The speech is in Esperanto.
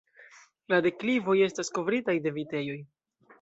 La deklivoj estas kovritaj de vitejoj.